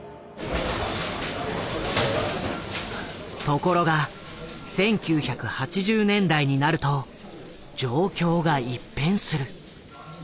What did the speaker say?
☎ところが１９８０年代になると状況が一変する。